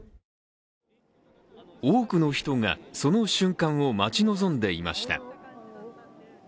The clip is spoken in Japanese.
多くの人がその瞬間を待ち望んでいました。